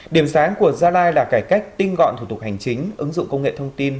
điểm sáng của gia lai là cải cách tinh gọn thủ tục hành chính ứng dụng công nghệ thông tin